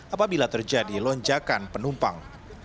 apabila terjadi lonjakan penumpang